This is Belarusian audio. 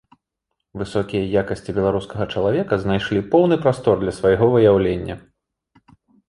Высокія якасці беларускага чалавека знайшлі поўны прастор для свайго выяўлення.